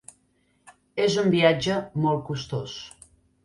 És un viatge molt costós.